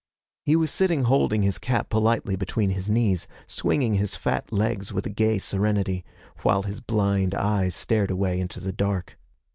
He was sitting holding his cap politely between his knees, swinging his fat legs with a gay serenity, while his blind eyes stared away into the dark.